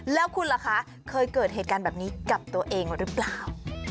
แล้วคุณล่ะคะเคยเกิดเหตุการณ์แบบนี้กับตัวเองหรือเปล่า